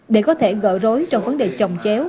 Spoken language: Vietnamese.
để có thể gỡ rối trong vấn đề trồng chéo